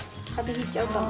ひいちゃうかも。